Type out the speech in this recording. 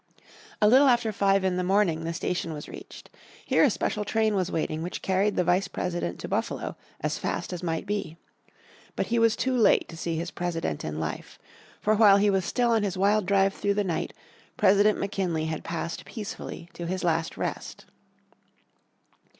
A little after five in the morning the station was reached. Here a special train was waiting which carried the Vice President to Buffalo as fast as might be. But he was too late to see his President in life. For while he was still on his wild drive through the night, President McKinley had passed peacefully to his last rest.